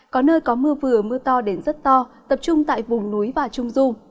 có nơi có mưa vừa mưa to đến rất to tập trung tại vùng núi và trung du